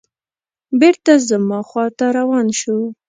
بېرته زما خواته روان شو.